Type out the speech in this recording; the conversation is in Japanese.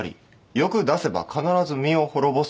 「欲出せば必ず身を滅ぼす。